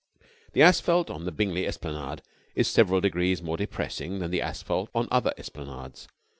The asphalt on the Bingley esplanade is several degrees more depressing than the asphalt on other esplanades.